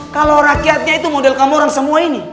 kalo rakyatnya itu model kamoran semua ini